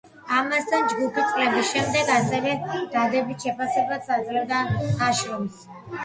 ამასთან, ჯგუფი წლების შემდეგ ასევე დადებით შეფასებას აძლევდა ნაშრომს.